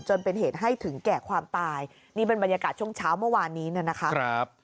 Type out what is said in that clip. จนเป็นเหตุให้ถึงแก่ความตายนี่เป็นบรรยากาศช่วงเช้าเมื่อวานนี้นะครับ